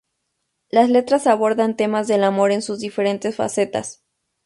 Las letras abordan temas del amor en sus diferentes facetas.